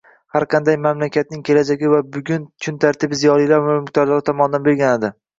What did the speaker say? Har qanday mamlakatning kelajagi va kun tartibi ziyolilar va mulkdorlar tomonidan belgilanadi